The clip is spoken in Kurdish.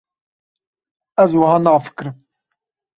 Ez wiha nafikirim.